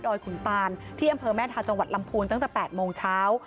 ขุนตานที่อำเภอแม่ทาจังหวัดลำพูนตั้งแต่๘โมงเช้า